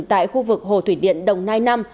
tại khu vực hồ thủy điện đồng nai năm